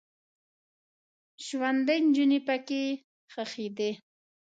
ژوندۍ نجونې پکې ښخیدې.